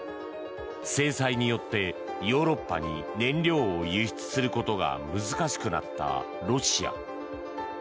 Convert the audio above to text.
制裁によってヨーロッパに燃料を輸出することが難しくなったロシア。